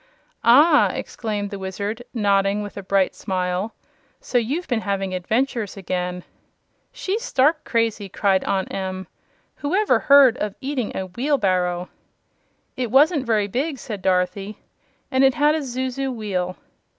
"Ah!" exclaimed the Wizard, nodding with a bright smile. "So you've been having adventures again." "She's stark crazy!" cried Aunt Em. "Whoever heard of eating a wheelbarrow?" "It wasn't very big," said Dorothy; "and it had a zuzu wheel."